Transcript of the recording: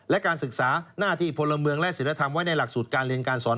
และการศึกษาหน้าที่พลเมืองและศิลธรรมไว้ในหลักสูตรการเรียนการสอน